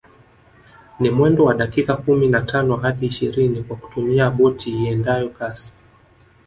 Ni mwendo wa dakika kumi na tano hadi ishirini kwa kutumia boti iendayo kasi